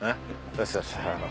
よしよし。